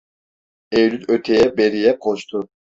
Eylül öteye beriye koştu.